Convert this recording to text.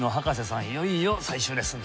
いよいよ最終レッスンですね。